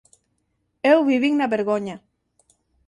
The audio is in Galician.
Eu vivín na vergoña.